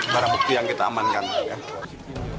pada saat ini kita sudah bisa menganggapnya